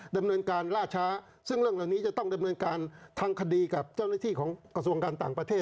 ดำเนินการล่าช้าซึ่งเรื่องเหล่านี้จะต้องดำเนินการทางคดีกับเจ้าหน้าที่ของกระทรวงการต่างประเทศ